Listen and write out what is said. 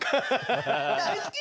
大好き。